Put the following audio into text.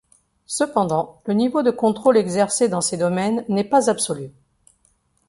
Cependant, le niveau de contrôle exercé dans ces domaines n'est pas absolu.